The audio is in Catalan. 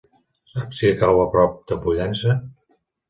Saps si cau a prop de Pollença?